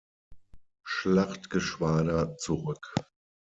Schlachtgeschwader zurück.